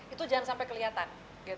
itu jangan sampai kelihatan